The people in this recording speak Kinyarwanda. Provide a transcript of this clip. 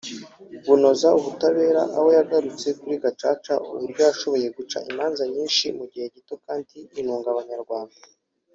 bunoza ubutabera aho yagarutse kuri Gacaca uburyo yashoboye guca imanza nyinshi mu gihe gito kandi ikanunga Abanyarwanda